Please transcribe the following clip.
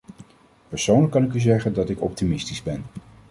Persoonlijk kan ik u zeggen dat ik optimistisch ben.